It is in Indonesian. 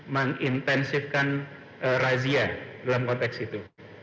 mengintensifkan razia dalam konteks itu